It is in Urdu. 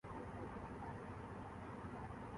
عدالتی فیصلے کو معمول کا ایک واقعہ سمجھنا چاہیے۔